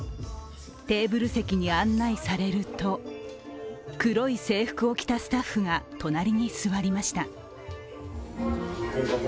テーブル席に案内されると黒い制服を着たスタッフが隣に座りました。